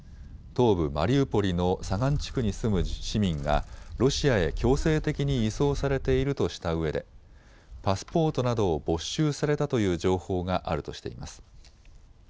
東部マリウポリの左岸地区に住む市民がロシアへ強制的に移送されているとしたうえでパスポートなどを没収されたという情報があるとしています。